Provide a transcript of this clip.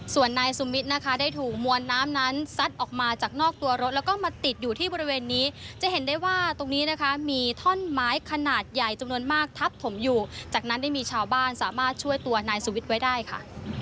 สวนนายสุมมิตรได้ถูกว่าน้ำนั้นมีธนไม้ขนาดใหญ่จำนวนมากทับผมจากนั้นได้มีณชาวบ้านสามารถช่วยตัวรายยังไหร่ค่ะ